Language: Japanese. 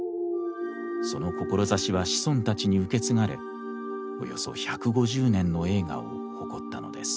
その志は子孫たちに受け継がれおよそ１５０年の栄華を誇ったのです。